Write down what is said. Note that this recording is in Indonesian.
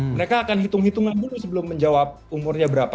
mereka akan hitung hitungan dulu sebelum menjawab umurnya berapa